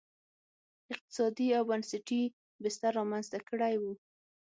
اقتصادي او بنسټي بستر رامنځته کړی و.